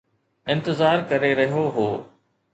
انتظار ڪري رهيو هو